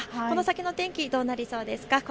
この先の天気、どうなりそうですか。